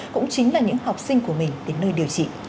cũng chính là những học sinh của mình đến nơi điều trị